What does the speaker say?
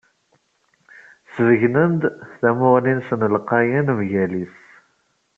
Sbeyynen-d tamuɣli-nsen lqayen mgal-is.